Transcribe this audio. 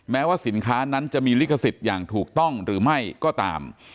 แม้ว่าสินค้านั้นจะมีลิขสิทธิ์อย่างถูกต้องหรือไม่ก็ตาม